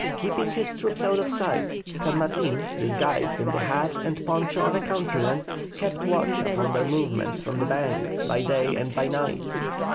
Keeping his troops out of sight, San Martin, disguised in the hat and poncho of a countryman, kept watch upon their movements from the bank, by day and by night.